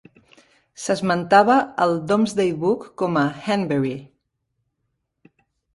S'esmentava al Domesday Book com a "Henberie".